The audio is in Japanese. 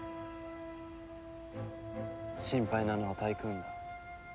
心配なのはタイクーンだ。